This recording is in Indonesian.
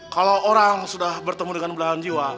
kalau orang sudah bertemu dengan belahan jiwa